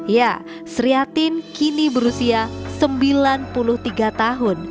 ya seriatin kini berusia sembilan puluh tiga tahun